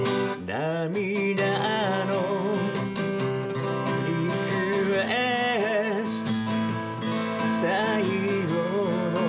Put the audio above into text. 「涙のリクエスト」